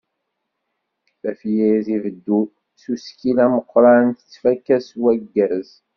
Tafyirt tbeddu s usekkil ameqqran, tettfakka s wagaz.